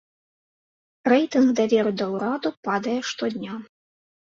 Рэйтынг даверу да ўраду падае штодня.